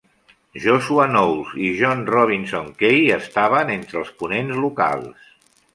Joshua Knowles i John Robinson Kay estaven entre els ponents locals.